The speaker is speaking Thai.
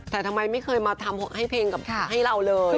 แต่ทำไมไม่เคยมาทำให้เพลงกับให้เราเลย